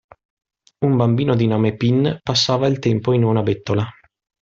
Un bambino di nome Pin passava il tempo in una bettola.